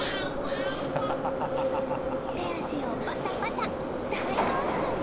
手足をバタバタ、大興奮！